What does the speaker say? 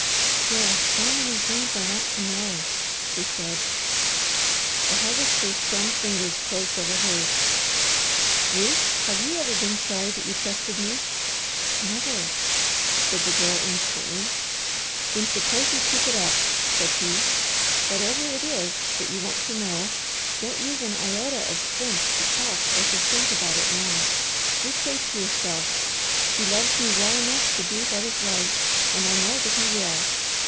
"There are so many things I want to know," she said. The Harvester's firm fingers closed over hers. "Ruth, have you ever been sorry that you trusted me?" "Never!" said the Girl instantly. "Then suppose you keep it up," said he. "Whatever it is that you want to know, don't use an iota of strength to talk or to think about it now. Just say to yourself, he loves me well enough to do what is right, and I know that he will.